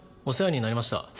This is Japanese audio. お世話になりました。